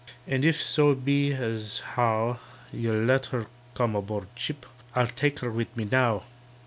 "And if so be as how You'll let her come aboard ship, I'll take her with me now."